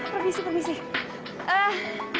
pergi sih pergi sih